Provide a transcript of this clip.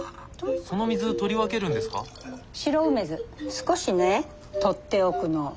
少しね取っておくの。